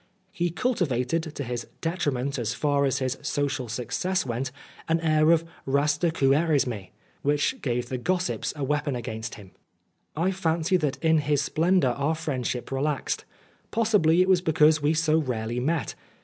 He cultivated, to his detriment as far as his social success went, an air of rastaquoutrisme, which gave the gossips a weapon against him. I fancy that in his splendour our friendship relaxed. Possibly it was because we so rarely met.